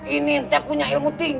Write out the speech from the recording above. ini punya ilmu tinggi